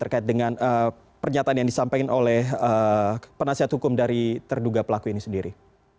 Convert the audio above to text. terkait dengan pernyataan yang disampaikan oleh penasihat hukum dari terduga pelaku ini sendiri